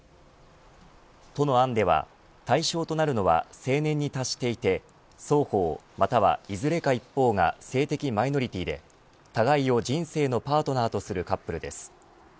都の案では対象となるのは成年に達していて双方、またはいずれか一方が性的マイノリティーで互いを人生のパートナーとするカップルです。